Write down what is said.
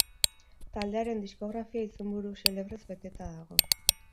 Taldearen diskografia izenburu xelebrez beteta dago.